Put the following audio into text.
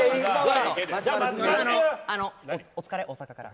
お疲れ、大阪から。